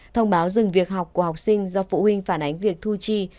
thông báo dừng việc học của học sinh do phụ huynh phản ánh việc thu chi